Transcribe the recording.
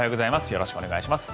よろしくお願いします。